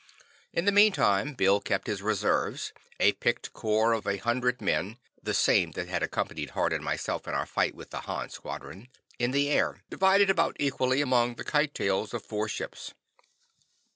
In the meantime Bill kept his reserves, a picked corps of a hundred men (the same that had accompanied Hart and myself in our fight with the Han squadron) in the air, divided about equally among the "kite tails" of four ships.